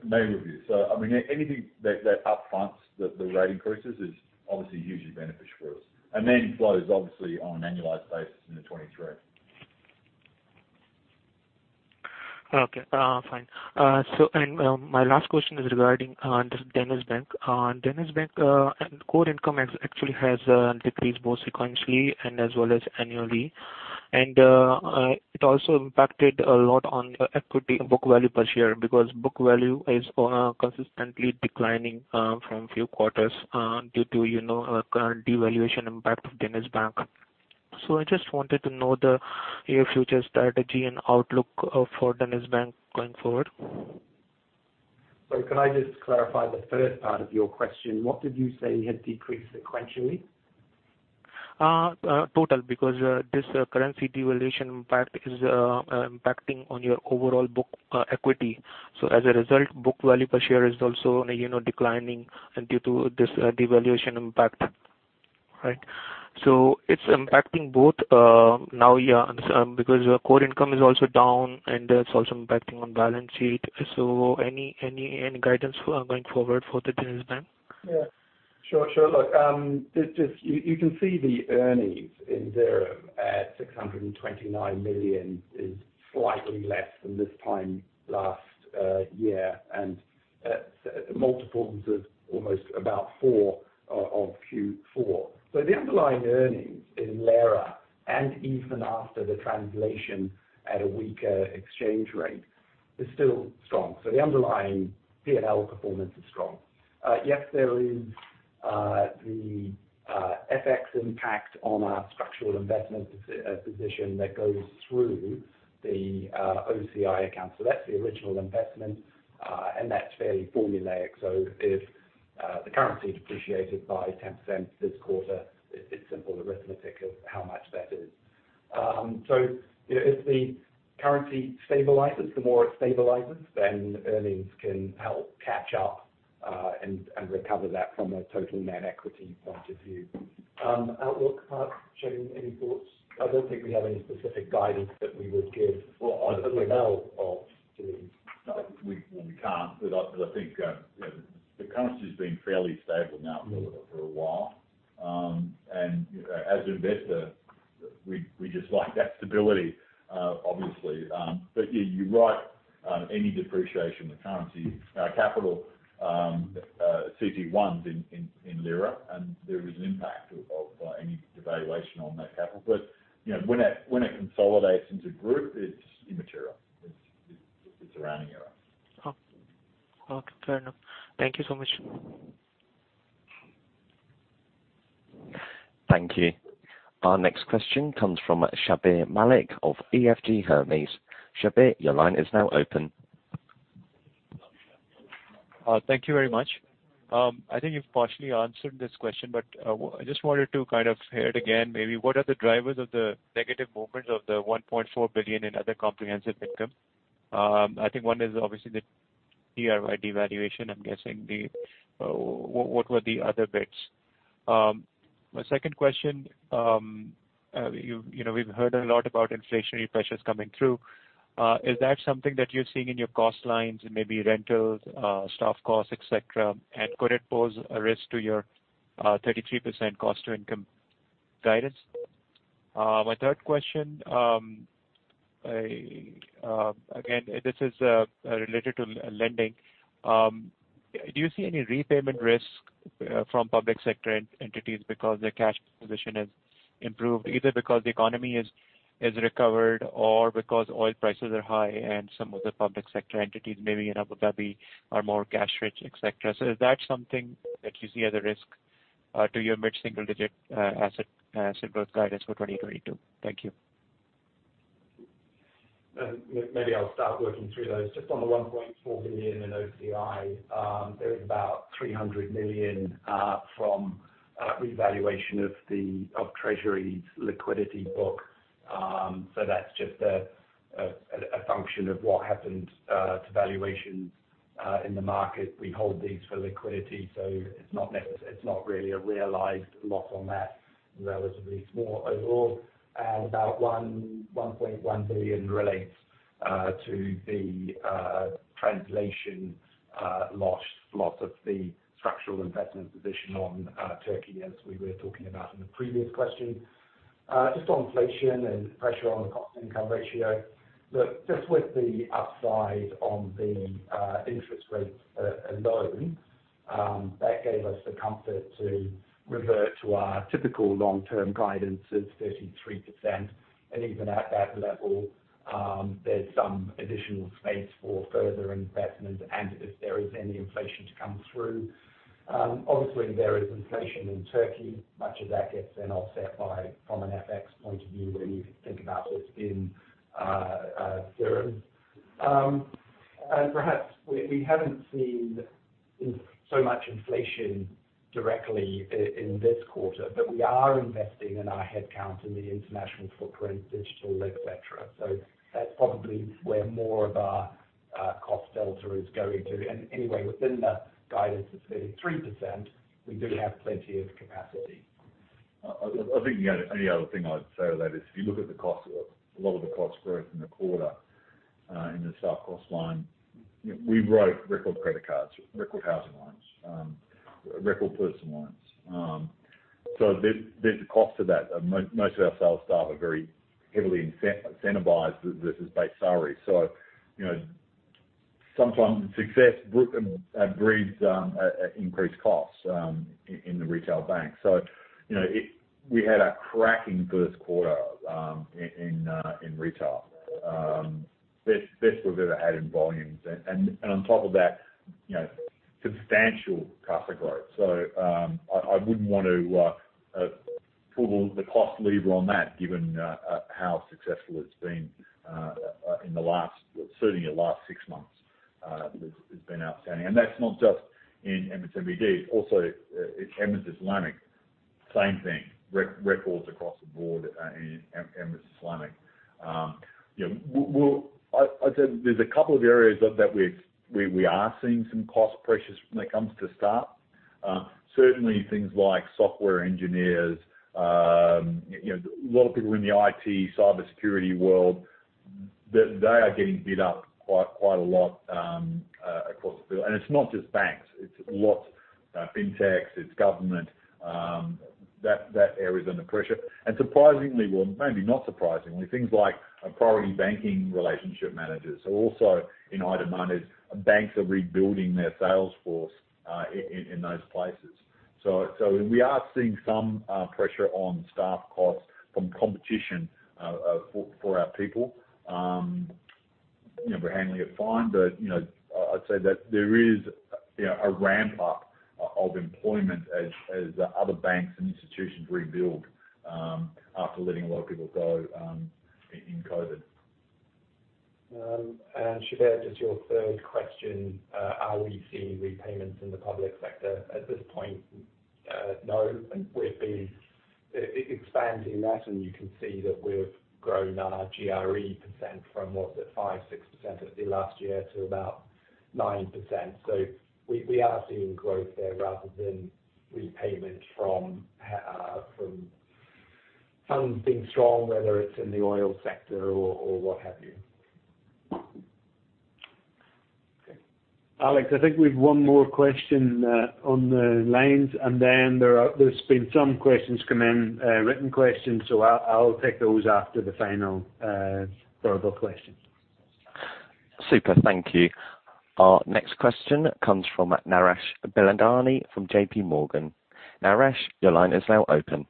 May review. I mean, anything that upfronts the rate increases is obviously hugely beneficial for us. Flows obviously on an annualized basis into 2023. Okay. Fine. My last question is regarding DenizBank. DenizBank core income actually has decreased both sequentially and as well as annually. It also impacted a lot on equity book value per share because book value is consistently declining from few quarters due to you know current devaluation impact of DenizBank. I just wanted to know your future strategy and outlook for DenizBank going forward. Sorry, could I just clarify the first part of your question? What did you say had decreased sequentially? Because this currency devaluation impact is impacting on your overall book equity. As a result, book value per share is also on a you know declining and due to this devaluation impact. Right. It's impacting both because your core income is also down, and that's also impacting on balance sheet. Any guidance for going forward for DenizBank? Yeah, sure. Look, just, you can see the earnings in dirham at 629 million is slightly less than this time last year. Multiples of almost about four of Q4. The underlying earnings in Lira and even after the translation at a weaker exchange rate is still strong. The underlying P&L performance is strong. Yes, there is the FX impact on our structural investment position that goes through the OCI account. That's the original investment, and that's fairly formulaic. If the currency depreciated by 10% this quarter, it's simple arithmetic of how much that is. If the currency stabilizes, the more it stabilizes, then earnings can help catch up and recover that from a total net equity point of view. Outlook part, Shayne, any thoughts? I don't think we have any specific guidance that we would give. Well, I- As we know of the- No. We can't. I think you know, the currency's been fairly stable now for a while. As an investor, we just like that stability, obviously. Yeah, you're right, any depreciation of currency capital CET1's in lira, and there is impact of any devaluation on that capital. You know, when it consolidates into group, it's immaterial. It's a rounding error. Oh. Okay, fair enough. Thank you so much. Thank you. Our next question comes from Shabbir Malik of EFG Hermes. Shabbir, your line is now open. Thank you very much. I think you've partially answered this question, but I just wanted to kind of hear it again maybe. What are the drivers of the negative movements of the 1.4 billion in other comprehensive income? I think one is obviously the TRY valuation. I'm guessing the... What were the other bits? My second question, you know, we've heard a lot about inflationary pressures coming through. Is that something that you're seeing in your cost lines and maybe rentals, staff costs, et cetera? Could it pose a risk to your 33% cost to income guidance? My third question, again, this is related to lending. Do you see any repayment risk from public sector entities because their cash position has improved, either because the economy has recovered or because oil prices are high and some of the public sector entities, maybe in Abu Dhabi, are more cash-rich, et cetera? Is that something that you see as a risk to your mid-single-digit asset growth guidance for 2022? Thank you. Maybe I'll start working through those. Just on the 1.4 billion in OCI, there is about 300 million from revaluation of Treasury's liquidity book. So that's just a function of what happened to valuations in the market. We hold these for liquidity, so it's not really a realized loss on that, relatively small overall. About 1.1 billion relates to the translation loss of the structural investment position on Turkey, as we were talking about in the previous question. Just on inflation and pressure on the Cost-Income Ratio. Look, just with the upside on the interest rates alone, that gave us the comfort to revert to our typical long-term guidance of 33%. Even at that level, there's some additional space for further investment and if there is any inflation to come through. Obviously there is inflation in Turkey. Much of that gets then offset by, from an FX point of view when you think about it in terms. Perhaps we haven't seen so much inflation directly in this quarter, but we are investing in our headcount in the international footprint, digital, et cetera. That's probably where more of our cost filter is going to. Anyway, within the guidance of 33%, we do have plenty of capacity. I think the only other thing I'd say to that is if you look at the cost, a lot of the cost growth in the quarter in the non-cost line, we wrote record credit cards, record housing loans, record personal loans. There's a cost to that. Most of our sales staff are very heavily incentivized versus base salary. You know, sometimes success breeds increased costs in the Retail Bank. You know, we had a cracking first quarter in retail. Best we've ever had in volumes. On top of that, you know, substantial CASA growth. I wouldn't want to pull the cost lever on that given how successful it's been in the last, certainly the last six months, has been outstanding. That's not just in Emirates NBD. Also in Emirates Islamic, same thing. Records across the board in Emirates Islamic. You know, I'd say there's a couple of areas that we've we are seeing some cost pressures when it comes to staff. Certainly things like software engineers, you know, a lot of people in the IT, cybersecurity world, they are getting bid up quite a lot across the field. It's not just banks. It's lots fintechs, it's government, that area is under pressure. Surprisingly, well, maybe not surprisingly, things like priority banking relationship managers are also in high demand as banks are rebuilding their sales force in those places. So we are seeing some pressure on staff costs from competition for our people. You know, we're handling it fine, but you know, I'd say that there is a ramp-up of employment as other banks and institutions rebuild after letting a lot of people go in COVID. Shabbir, just your third question, are we seeing repayments in the public sector? At this point, no. I think we've been expanding that, and you can see that we've grown our GRE from 5%-6% last year to about 9%. We are seeing growth there rather than repayment from funds being strong, whether it's in the oil sector or what have you. Okay. Alex, I think we have one more question on the lines, and then there's been some questions come in, written questions, so I'll take those after the final verbal question. Super. Thank you. Our next question comes from Naresh Bilandani from JPMorgan. Naresh, your line is now open.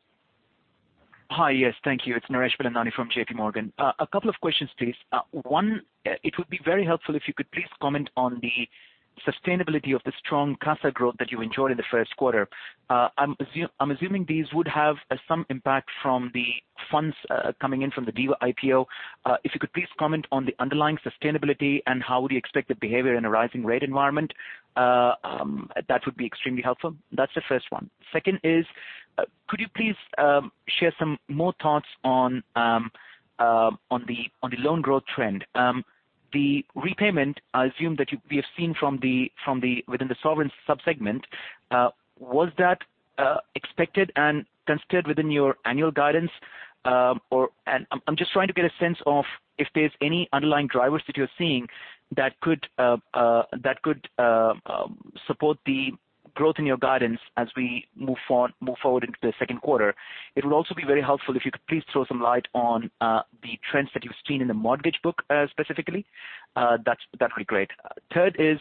Hi. Yes. Thank you. It's Naresh Bilandani from JPMorgan. A couple of questions, please. One, it would be very helpful if you could please comment on the sustainability of the strong CASA growth that you enjoyed in the first quarter. I'm assuming these would have some impact from the funds coming in from the DEWA IPO. If you could please comment on the underlying sustainability and how would you expect the behavior in a rising rate environment, that would be extremely helpful. That's the first one. Second is, could you please share some more thoughts on the loan growth trend? The repayment, I assume that we have seen from within the sovereign subsegment, was that expected and considered within your annual guidance, or... I'm just trying to get a sense of if there's any underlying drivers that you're seeing that could support the growth in your guidance as we move forward into the second quarter. It would also be very helpful if you could please throw some light on the trends that you've seen in the mortgage book, specifically. That's, that'd be great. Third is,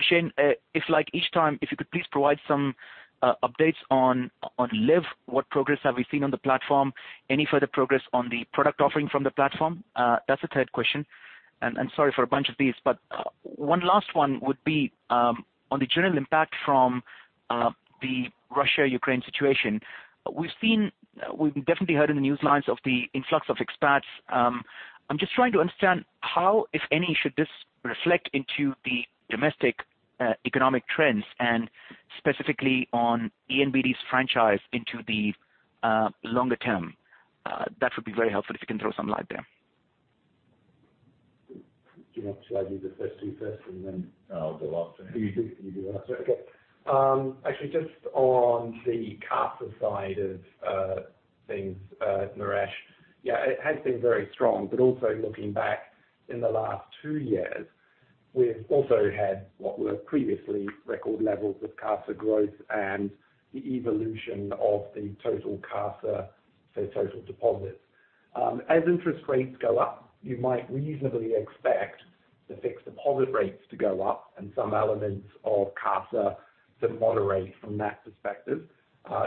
Shayne, if like each time, if you could please provide some updates on Liv, what progress have we seen on the platform, any further progress on the product offering from the platform? That's the third question. And sorry for a bunch of these, but one last one would be on the general impact from the Russia-Ukraine situation. We've definitely heard in the news headlines of the influx of expats. I'm just trying to understand how, if any, should this reflect into the domestic economic trends, and specifically on ENBD's franchise into the longer term? That would be very helpful if you can throw some light there. Shall I do the first two first, and then. No, I'll do last two. You do the last two. Okay. Actually, just on the CASA side of things, Naresh. Yeah, it has been very strong, but also looking back in the last two years, we've also had what were previously record levels of CASA growth and the evolution of the total CASA, say, total deposits. As interest rates go up, you might reasonably expect the fixed deposit rates to go up and some elements of CASA to moderate from that perspective.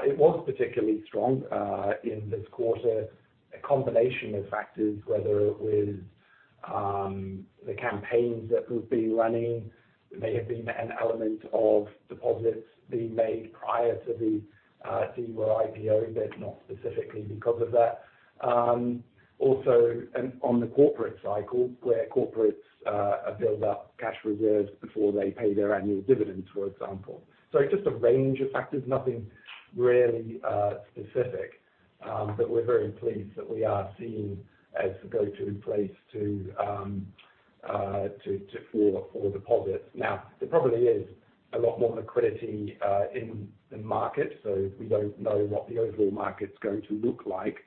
It was particularly strong in this quarter. A combination of factors, whether it was the campaigns that we've been running. There may have been an element of deposits being made prior to the DEWA IPO, but not specifically because of that. Also, on the corporate cycle, where corporates build up cash reserves before they pay their annual dividends, for example. It's just a range of factors, nothing really specific. We're very pleased that we are seen as the go-to place for deposits. Now, there probably is a lot more liquidity in the market, so we don't know what the overall market's going to look like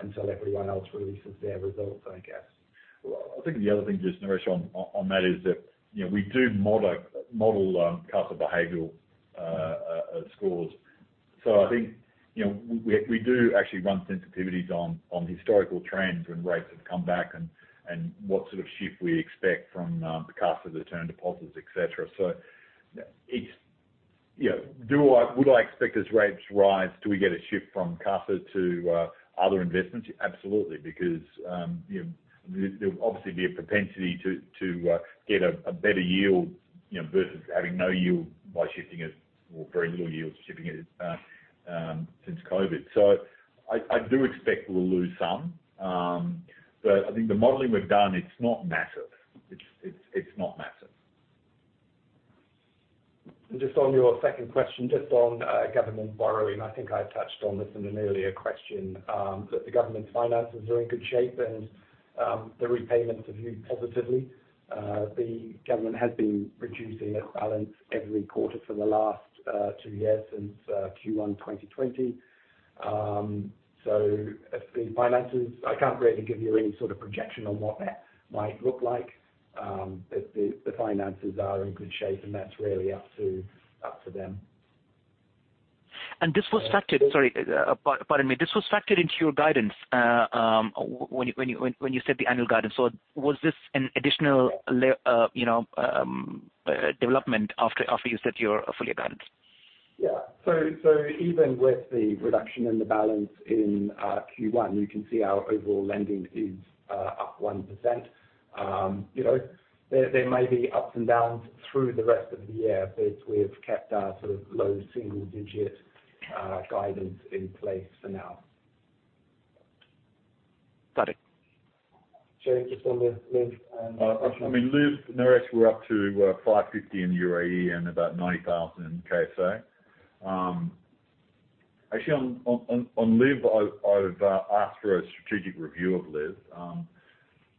until everyone else releases their results, I guess. Well, I think the other thing, just Naresh on that is that, you know, we do model CASA behavioral scores. I think, you know, we do actually run sensitivities on historical trends when rates have come back and what sort of shift we expect from the CASA to term deposits, et cetera. It's, you know, would I expect as rates rise, do we get a shift from CASA to other investments? Absolutely. Because, you know, there would obviously be a propensity to get a better yield, you know, versus having no yield by shifting it, or very little yield shifting it, since COVID. I do expect we'll lose some. But I think the modeling we've done, it's not massive. It's not massive. Just on your second question, government borrowing. I think I touched on this in an earlier question, that the government's finances are in good shape and the repayments have moved positively. The government has been reducing its balance every quarter for the last two years since Q1 2020. The finances, I can't really give you any sort of projection on what that might look like. The finances are in good shape, and that's really up to them. This was factored, sorry, pardon me. This was factored into your guidance when you said the annual guidance. Was this an additional layer, you know, development after you set your full-year guidance? Even with the reduction in the balance in Q1, you can see our overall lending is up 1%. You know, there may be ups and downs through the rest of the year, but we've kept our sort of low single digit guidance in place for now. Got it. Shayne, just on the Liv, question. I mean, Liv, Naresh, we're up to 550 in UAE and about 90,000 in KSA. Actually on Liv, I've asked for a strategic review of Liv.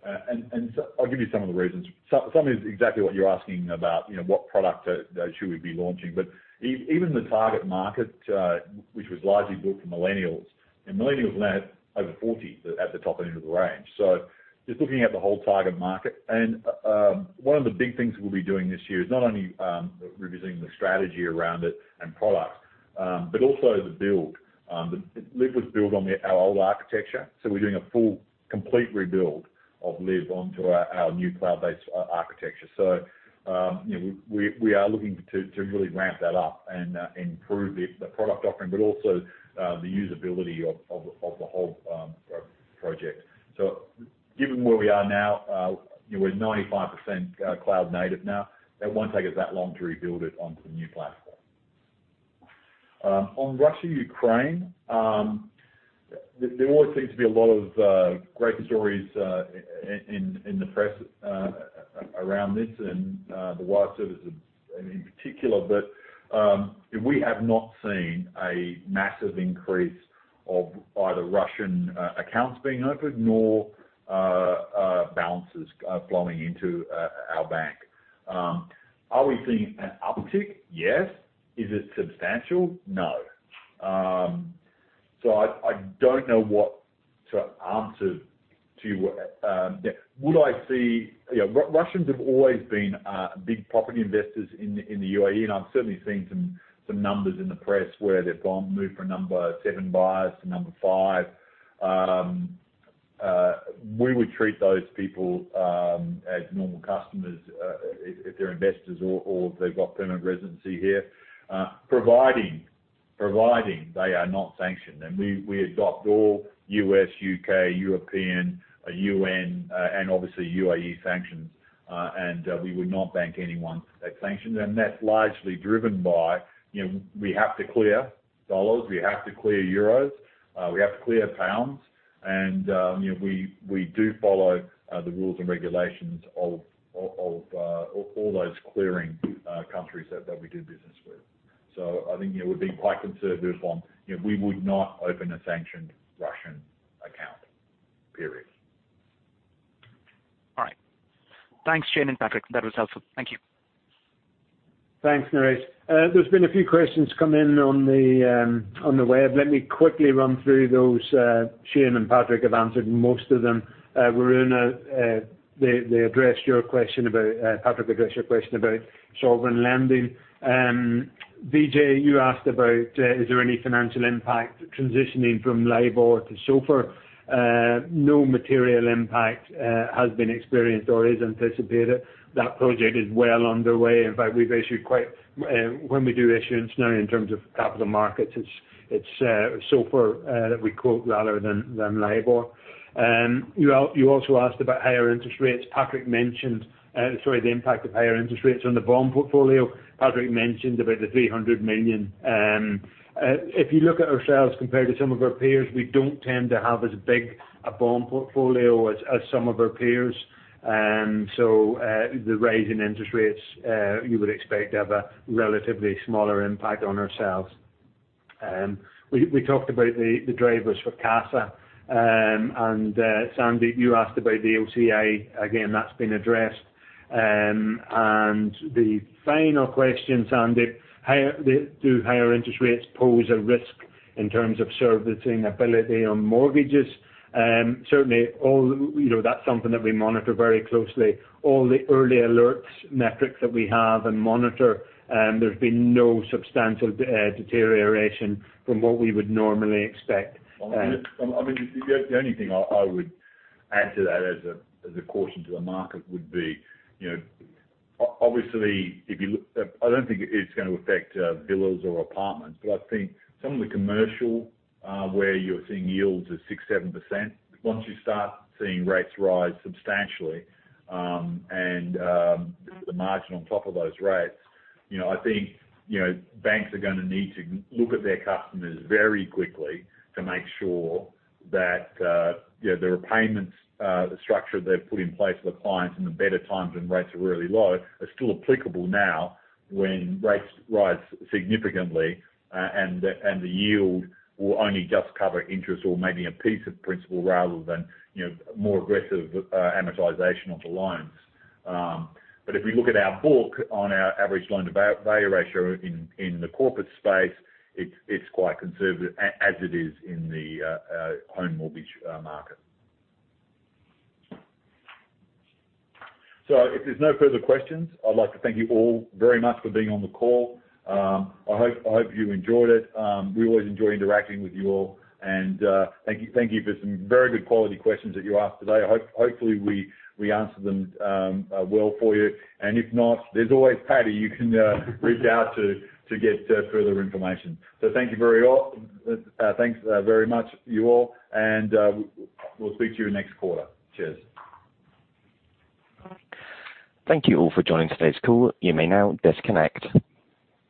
I'll give you some of the reasons. Some is exactly what you're asking about, you know, what product should we be launching. Even the target market, which was largely built for millennials, and millennials now are over 40 at the top end of the range. Just looking at the whole target market. One of the big things we'll be doing this year is not only revising the strategy around it and product, but also the build. Liv was built on our old architecture, so we're doing a full complete rebuild of Liv onto our new cloud-based architecture. You know, we are looking to really ramp that up and improve the product offering, but also the usability of the whole project. Given where we are now, you know, we're 95% cloud native now. That won't take us that long to rebuild it onto the new platform. On Russia-Ukraine, there always seems to be a lot of great stories in the press around this and the wire services in particular. We have not seen a massive increase of either Russian accounts being opened nor balances flowing into our bank. Are we seeing an uptick? Yes. Is it substantial? No. I don't know what to answer to. You know, Russians have always been big property investors in the UAE, and I've certainly seen some numbers in the press where they've moved from number seven buyers to number five. We would treat those people as normal customers, if they're investors or if they've got permanent residency here, providing they are not sanctioned. We adopt all U.S., U.K., European, UN, and obviously UAE sanctions, and we would not bank anyone that's sanctioned. That's largely driven by, you know, we have to clear dollars, we have to clear euros, we have to clear pounds and, you know, we do follow the rules and regulations of all those clearing countries that we do business with. So I think, you know, we'd be quite conservative on, you know, we would not open a sanctioned Russian account. Period. All right. Thanks, Shayne and Patrick. That was helpful. Thank you. Thanks, Naresh. There's been a few questions come in on the web. Let me quickly run through those. Shayne and Patrick have answered most of them. Varun, Patrick addressed your question about sovereign lending. Vijay, you asked about, is there any financial impact transitioning from LIBOR to SOFR? No material impact has been experienced or is anticipated. That project is well underway. In fact, when we do issuance now in terms of capital markets, it's SOFR that we quote rather than LIBOR. You also asked about higher interest rates. Patrick mentioned, sorry, the impact of higher interest rates on the bond portfolio. Patrick mentioned about the 300 million. If you look at ourselves compared to some of our peers, we don't tend to have as big a bond portfolio as some of our peers. The rise in interest rates, you would expect to have a relatively smaller impact on ourselves. We talked about the drivers for CASA. Sandeep, you asked about the OCI. Again, that's been addressed. The final question, Sandeep, do higher interest rates pose a risk in terms of servicing ability on mortgages? Certainly, you know, that's something that we monitor very closely. All the early alerts metrics that we have and monitor, there's been no substantial deterioration from what we would normally expect. I mean, the only thing I would add to that as a caution to the market would be, you know, obviously, if you look...I don't think it's gonna affect villas or apartments, but I think some of the commercial where you're seeing yields of 6%-7%, once you start seeing rates rise substantially, and the margin on top of those rates, you know, I think, you know, banks are gonna need to look at their customers very quickly to make sure that, you know, the repayments structure they've put in place for the clients in the better times when rates are really low are still applicable now when rates rise significantly, and the yield will only just cover interest or maybe a piece of principal rather than, you know, more aggressive amortization of the loans. If we look at our book on our average loan to value ratio in the corporate space, it's quite conservative as it is in the home mortgage market. If there's no further questions, I'd like to thank you all very much for being on the call. I hope you enjoyed it. We always enjoy interacting with you all, and thank you for some very good quality questions that you asked today. Hopefully we answered them well for you. If not, there's always Paddy you can reach out to to get further information. Thank you very all. Thanks very much you all, and we'll speak to you next quarter. Cheers. Thank you all for joining today's call. You may now disconnect.